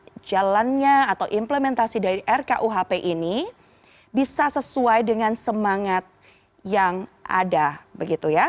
jadi kemudian saya ingin mengatakan bahwa implementasi dari rkuhp ini bisa sesuai dengan semangat yang ada